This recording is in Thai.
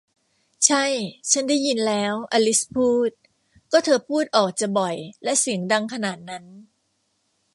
ใช่ ชั้นได้ยินแล้ว อลิซพูด ก็เธอพูดออกจะบ่อยและเสียงดังขนาดนั้น